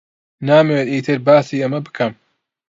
نامەوێت ئیتر باسی ئەمە بکەم.